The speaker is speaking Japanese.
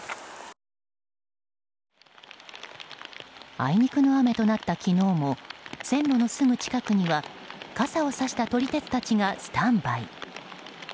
あいにくの雨となった昨日も線路のすぐ近くには傘をさした撮り鉄たちがスタンバイ。